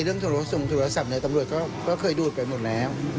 โทรส่งโทรศัพท์ในตำรวจก็เคยดูดไปหมดแล้ว